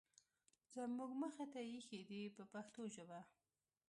زموږ مخې ته یې اېښي دي په پښتو ژبه.